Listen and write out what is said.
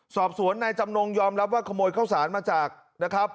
สอบสวนนายจำนงยอมรับว่าขโมยข้าวสารมาจากนะครับ